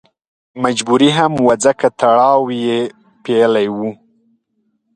مجبوري هم وه ځکه تړاو یې پېیلی و.